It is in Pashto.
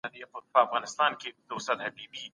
د علم پرمختګ ګډي همکارۍ ته اړتيا لري.